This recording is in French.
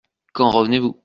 Quand revenez-vous ?